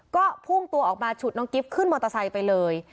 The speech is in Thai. ก็พุ่งตัวออกมาฉุดน้องกิฟต์ขึ้นมอเตอร์ไซค์ไปเลย